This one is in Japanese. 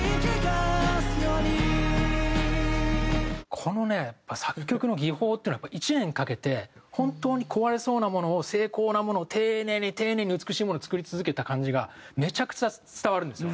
このね作曲の技法っていうのは１年かけて本当に壊れそうなものを精巧なものを丁寧に丁寧に美しいものを作り続けた感じがめちゃくちゃ伝わるんですよ。